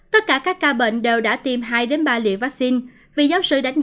tất cả các ca bệnh đều đã tiêm hai ba liệu vaccine